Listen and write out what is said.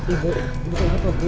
ibu kenapa bu